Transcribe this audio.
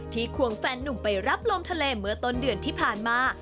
ควงแฟนนุ่มไปรับลมทะเลเมื่อต้นเดือนที่ผ่านมา